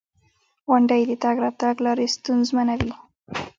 • غونډۍ د تګ راتګ لارې ستونزمنوي.